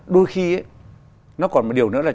đôi khi nó còn một điều nữa là